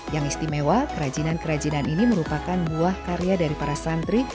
yang istimewa kerajinan kerajinan ini merupakan buah karya dari para santri